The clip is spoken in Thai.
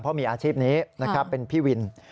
เพราะมีอาชีพนี้นะครับเป็นพี่วิน